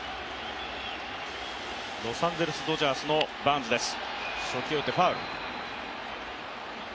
ロサンゼルス・ドジャースのバーンズです。